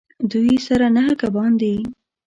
دوی سره نهه کبان دي